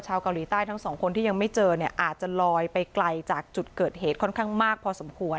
เกาหลีใต้ทั้งสองคนที่ยังไม่เจอเนี่ยอาจจะลอยไปไกลจากจุดเกิดเหตุค่อนข้างมากพอสมควร